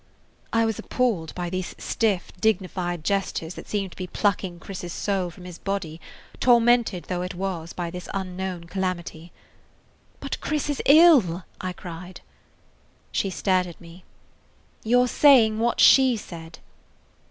I was appalled by these stiff, dignified gestures that seemed to be plucking Chris's soul from his body, tormented though it was by this unknown calamity. "But Chris is ill!" I cried. [Page 33] She stared at me. "You 're saying what she said."